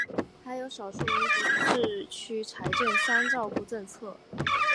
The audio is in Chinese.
还有少数民族地区财政三照顾政策。